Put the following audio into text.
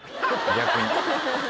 逆に。